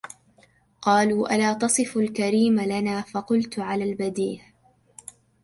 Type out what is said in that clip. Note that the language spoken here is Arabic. قالوا ألا تصف الكريم لنا فقلت على البديه